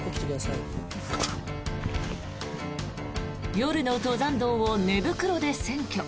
夜の登山道を寝袋で占拠。